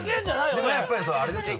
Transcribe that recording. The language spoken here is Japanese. でもやっぱりそれあれですよ